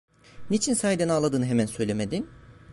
Niçin sahiden ağladığını hemen söylemedin?